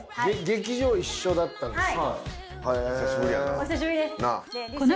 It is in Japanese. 劇場一緒だったんです。